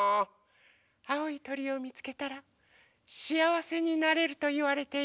あおいとりをみつけたらしあわせになれるといわれているの。